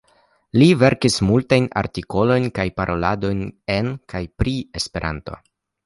Li verkis multajn artikoloj kaj paroladojn en kaj pri Esperanto.